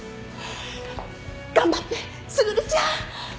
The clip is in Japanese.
頑張って卓ちゃん！